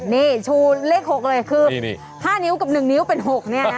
นี่ชูเล็กหกเลยคือ๕นิ้วกับ๑นิ้วเป็นหก